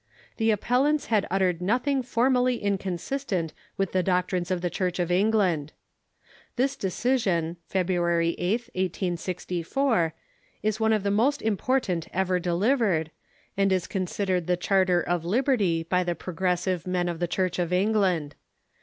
The appellants had uttered nothing formally inconsistent with the doctrines of the Church of England. This decision (Feb ruary 8th, 1864) is one of the most important ever delivered, and is considered the charter of liberty by the progressive men of the Church of England.